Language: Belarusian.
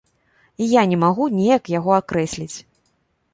І я не магу неяк яго акрэсліць.